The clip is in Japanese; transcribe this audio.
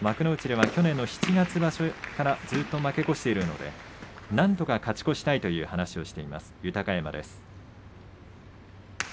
幕内では去年の七月場所からずっと負け越しているのでなんとか勝ち越したいという話をしています豊山です。